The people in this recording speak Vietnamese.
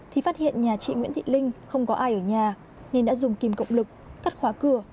thì phát hiện nhà chị nguyễn thị linh không có ai ở nhà nên đã dùng kìm cộng lực cắt khóa cửa